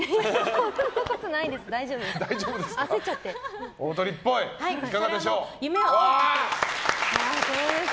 そんなことないです